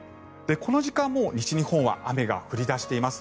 この時間、もう西日本は雨が降り出しています。